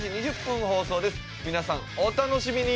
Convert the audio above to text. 皆さんお楽しみに！